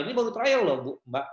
ini baru trial loh bu mbak